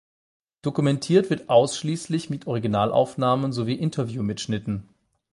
Dokumentiert wird ausschließlich mit Originalaufnahmen sowie Interview-Mitschnitten.